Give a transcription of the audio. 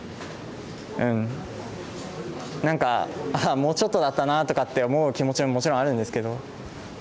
なんかもうちょっとだったなって思う気持ちももちろんあるんですけど。